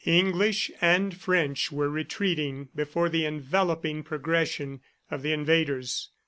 English and French were retreating before the enveloping progression of the invaders.